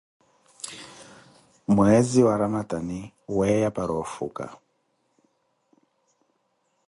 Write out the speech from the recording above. Mweezi wa ramadani weeya para ofuka.